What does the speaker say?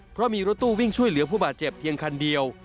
เพราะมีรถตู้วิ่งช่วยเหลือผู้บาดเจ็บเพียงคันเดียว